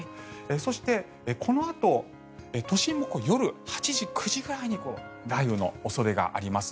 そして、このあと都心も夜８時、９時くらいに雷雨の恐れがあります。